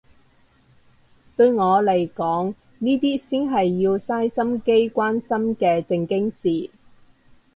對我嚟講呢啲先係要嘥心機關心嘅正經事